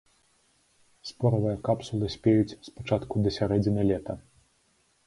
Споравыя капсулы спеюць з пачатку да сярэдзіны лета.